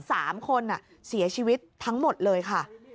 สามคนเสียชีวิตทั้งหมดเลยค่ะ